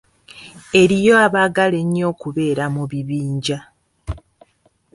Eriyo abaagala ennyo okubeera mu bibinja .